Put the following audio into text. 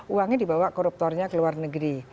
uangnya dibawa koruptornya ke luar negeri